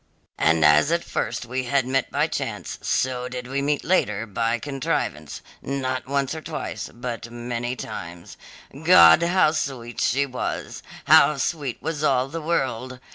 And as at first we had met by chance, so did we meet later by contrivance, not once or twice, but many times. God, how sweet she was! How sweet was all the world!